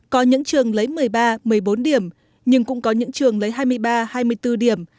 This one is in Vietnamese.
có những trường lấy một mươi ba một mươi bốn điểm nhưng cũng có những trường lấy hai mươi ba hai mươi bốn điểm